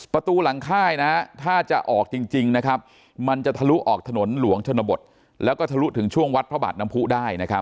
ประตูหลังค่ายถ้าจะออกจริงมันจะทะลุออกถนนหลวงชนบทแล้วก็ทะลุถึงช่วงวัดพระบาทน้ำผู้ได้